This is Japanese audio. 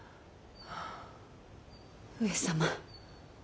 上様。